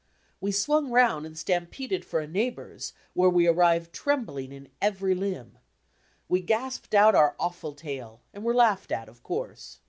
We swung round and stampeded for a neighbour's, where we arrived trembling in every limb. We gasped out our awful tale and were laughed at, of course.